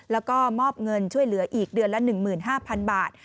แล้วก็มอบเงินช่วยเหลืออีกเดือนละ๑๕๐๐๐บาท